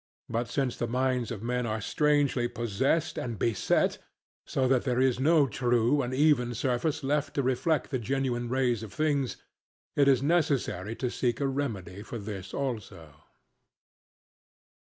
But since the minds of men are strangely possessed and beset, so that there is no true and even surface left to reflect the genuine rays of things, it is necessary to seek a remedy for this also.